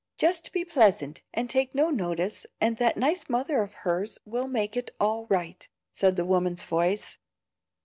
Jest be pleasant, and take no notice, and that nice mother of hers will make it all right," said the woman's voice.